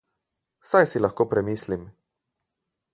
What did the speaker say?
Saj si lahko premislim!